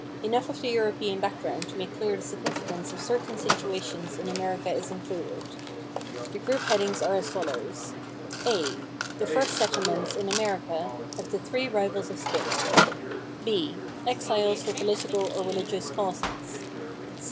Enough of the European background to make clear the significance of certain situations in America is included. The group headings are as follows: A "The First Settlements (in America) of the Three Rivals of Spain." B "Exiles for Political or Religious Causes."